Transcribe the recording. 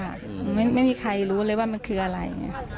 อืมไม่ไม่มีใครรู้เลยว่ามันคืออะไรอืม